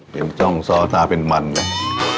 เห็นจ้องซ่อตาเป็นมันกัน